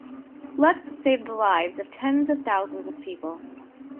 Lutz saved the lives of tens of thousands of people.